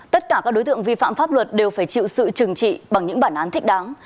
tất cả các đối tượng vi phạm pháp luật đều phải chịu sự trừng trị bằng những bản án thích đáng